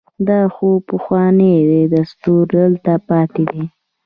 دا خو پخوانی دستور دلته پاتې دی.